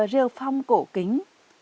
rêu phong cổ kính